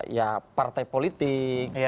ya partai politik